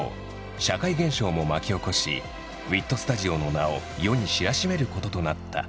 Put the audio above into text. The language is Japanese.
社会現象も巻き起こしＷＩＴＳＴＵＤＩＯの名を世に知らしめることとなった。